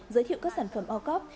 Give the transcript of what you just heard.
giới thiệu các sản phẩm o cop